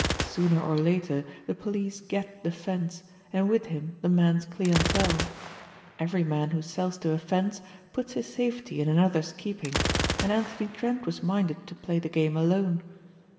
Sooner or later the police get the "fence" and with him the man's clientèle. Every man who sells to a "fence" puts his safety in another's keeping, and Anthony Trent was minded to play the game alone.